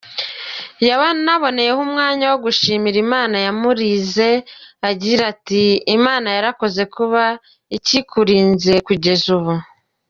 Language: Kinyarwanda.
Yanaboneyeho umwanya wo gushimira Imana yamurize agira ati “Imana yarakoze kuba ikikurinze kugeza ubu.